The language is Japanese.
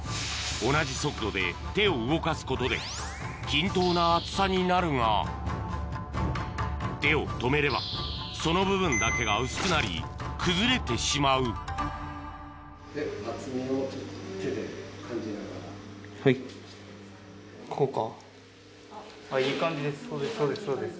同じ速度で手を動かすことで均等な厚さになるが手を止めればその部分だけが薄くなり崩れてしまうこうか？